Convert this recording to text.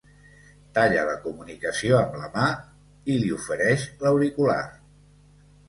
Talla la comunicació amb la mà i li ofereix l'auricular.